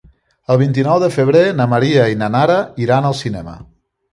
El vint-i-nou de febrer na Maria i na Nara iran al cinema.